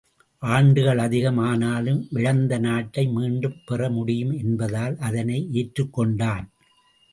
ஆண்டுகள் அதிகம் ஆனாலும் இழந்த நாட்டை மீண்டும் பெற முடியும் என்பதால் அதனை ஏற்றுக் கொண்டான்.